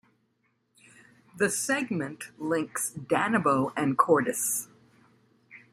The segment links Danebo and Cordes.